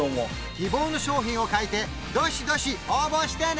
希望の商品を書いてどしどし応募してね！